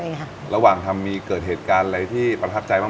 ใช่ค่ะระหว่างทำมีเกิดเหตุการณ์อะไรที่ประทับใจบ้าง